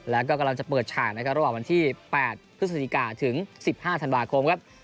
แล้วก็กำลังจะเปิดฉากนะครับระหว่างวันที่๘พฤศจิกาถึง๑๕ธันวาคมครับ